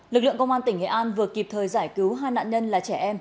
lực lượng công an tỉnh nghệ an vừa kịp thời giải cứu hai nạn nhân là trẻ em